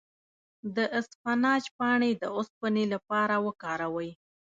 د اسفناج پاڼې د اوسپنې لپاره وکاروئ